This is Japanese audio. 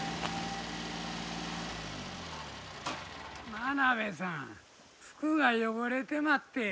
真鍋さん服が汚れてまって。